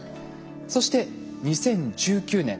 そして２０１９年